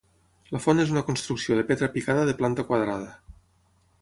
La font és una construcció de pedra picada de planta quadrada.